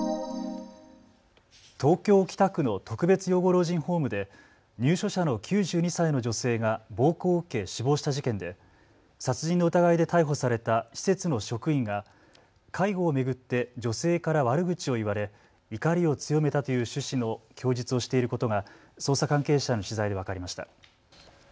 東京北区の特別養護老人ホームで入所者の９２歳の女性が暴行を受け死亡した事件で殺人の疑いで逮捕された施設の職員が介護を巡って女性から悪口を言われ、怒りを強めたという趣旨の供述をしていることが捜査関係者への取材で分かりました。